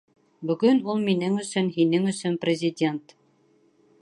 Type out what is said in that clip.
Бөгөн ул минең өсөн, һинең өсөн президент!